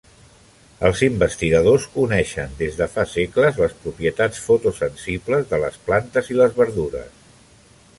Els investigadors coneixen des de fa segles les propietats fotosensibles de les plantes i les verdures.